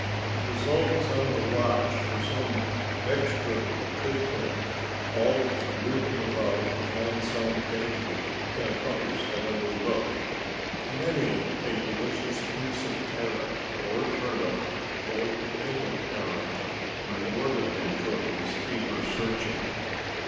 He was always on the watch for some extra tidbit always rooting about to find some dainty that others had overlooked. Many a delicious piece of carrot, or turnip, or potato paring rewarded him for his eager searching.